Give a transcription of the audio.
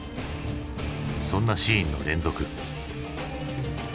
そんなシーンの連続。